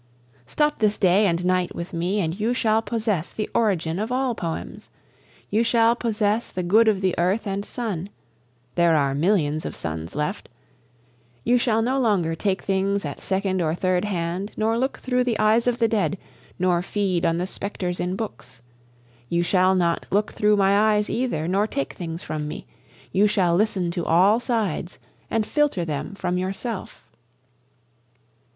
Stop this day and night with me and you shall possess the origin of all poems, You shall possess the good of the earth and sun (there are millions of suns left), You shall no longer take things at second or third hand, nor look through the eyes of the dead, nor feed on the specters in books, You shall not look through my eyes either, nor take things from me, You shall listen to all sides and filter them from yourself.